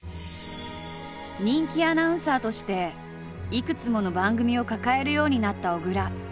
人気アナウンサーとしていくつもの番組を抱えるようになった小倉。